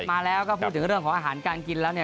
กลับมาแล้วก็พูดถึงเรื่องของอาหารการกินแล้ว